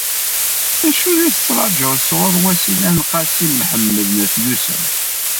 D acu ay la tettṛajuḍ sɣur Wasila n Qasi Mḥemmed n At Yusef?